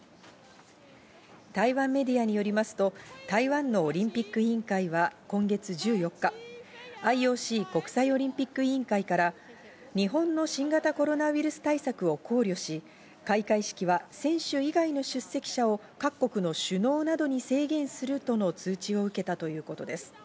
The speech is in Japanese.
台湾メディアによりますと台湾のオリンピック委員会は今月１４日、ＩＯＣ＝国際オリンピック委員会から日本の新型コロナウイルス対策を考慮し、開会式は選手以外の出席者を各国の首脳などに制限するとの通知を受けたということです。